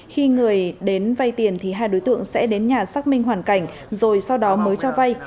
khi người đến vay tiền thì hai đối tượng sẽ đến nhà xác minh hoàn cảnh rồi sau đó mới cho vay